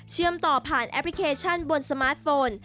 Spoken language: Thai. ต่อผ่านแอปพลิเคชันบนสมาร์ทโฟน